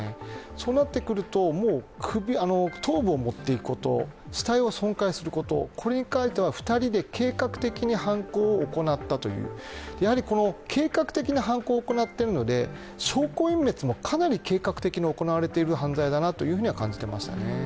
そうなってくると、頭部を持っていくこと、死体を損壊すること、これに関しては２人で計画的に犯行を行ったという、計画的な犯行を行っているので、証拠隠滅もかなり計画的に行われている犯罪だなと感じましたね。